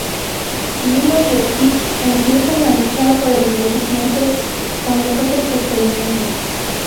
Lilo y Stitch empiezan a luchar por el recipiente con los otros experimentos.